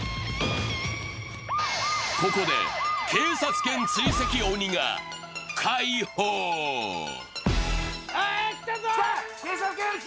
ここで、警察犬追跡鬼が解放！来たぞ！